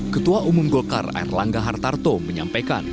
ketua umum golkar erlangga hartarto menyampaikan